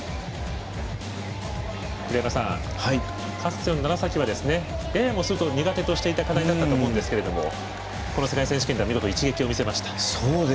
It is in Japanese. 平山さん、楢崎は苦手としていた課題だったと思うんですけどこの世界選手権では見事、一撃を見せました。